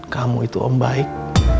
kamu itu om baik